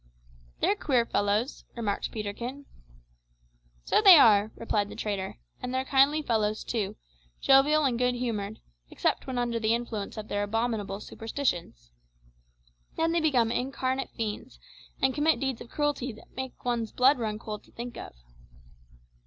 "They're queer fellows," remarked Peterkin. "So they are," replied the trader, "and they're kindly fellows too jovial and good humoured, except when under the influence of their abominable superstitions. Then they become incarnate fiends, and commit deeds of cruelty that make one's blood run cold to think of."